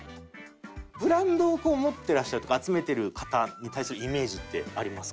ブランドを持っていらっしゃるとか集めてる方に対するイメージってありますか？